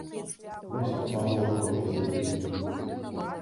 Вось і памагло тое зелле!